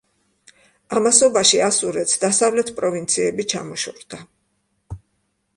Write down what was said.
ამასობაში ასურეთს დასავლეთ პროვინციები ჩამოშორდა.